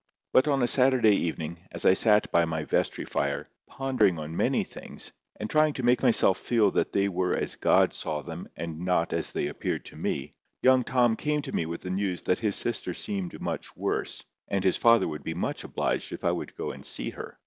But on a Saturday evening, as I sat by my vestry fire, pondering on many things, and trying to make myself feel that they were as God saw them and not as they appeared to me, young Tom came to me with the news that his sister seemed much worse, and his father would be much obliged if I would go and see her.